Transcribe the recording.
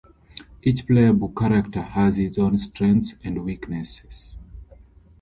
Each playable character has his own strengths and weaknesses.